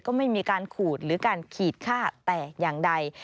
ก็ไม่มีการขูดหรือการขีดค่าแต่อย่างใด